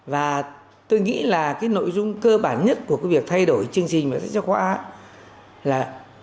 và tôi nghĩ là nội dung cơ bản nhất của việc thay đổi chương trình sách giáo khoa là